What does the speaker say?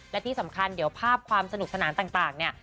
และที่สำคัญเดี๋ยวภาพความสนุกสนานต่างเนี่ย